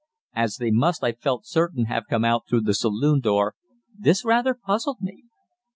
As they must, I felt certain, have come out through the saloon door, this rather puzzled me.